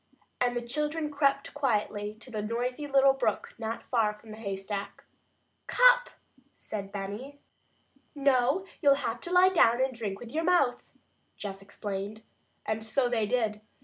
And the children crept quietly to the noisy little brook not far from the haystack. "Cup," said Benny. "No, you'll have to lie down and drink with your mouth," Jess explained. And so they did.